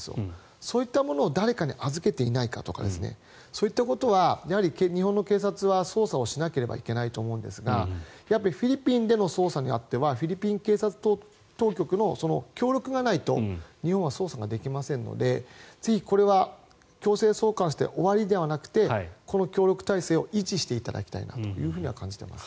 そういったものを誰かに預けていないかとかそういったことは日本の警察は捜査しなければいけないと思うんですがフィリピンでの捜査にあってはフィリピン警察当局の協力がないと日本は捜査ができませんのでぜひ、これは強制送還して終わりではなくてこの協力体制を維持していただきたいなと感じています。